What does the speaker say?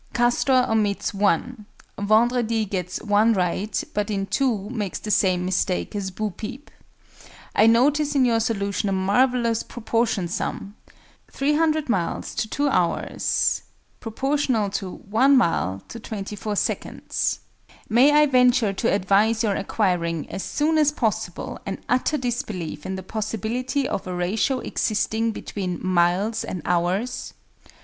CASTOR omits (1). VENDREDI gets (1) right, but in (2) makes the same mistake as BO PEEP. I notice in your solution a marvellous proportion sum: "300 miles: 2 hours :: one mile: 24 seconds." May I venture to advise your acquiring, as soon as possible, an utter disbelief in the possibility of a ratio existing between miles and hours?